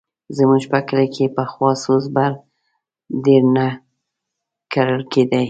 زموږ په کلي کښې پخوا سوز بر ډېر نه کرل کېدی.